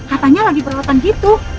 apanya lagi belautan gitu